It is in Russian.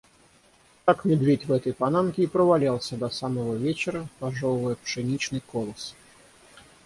Так медведь в этой панамке и провалялся до самого вечера, пожёвывая пшеничный колос.